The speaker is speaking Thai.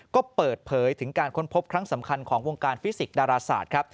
ก็เปิดเผยถึงการค้นพบครั้งสำคัญของวงการฟิสิกสดาราศาสตร์ครับ